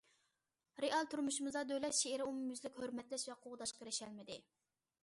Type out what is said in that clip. رېئال تۇرمۇشىمىزدا دۆلەت شېئىرى ئومۇميۈزلۈك ھۆرمەتلەش ۋە قوغداشقا ئېرىشەلمىدى.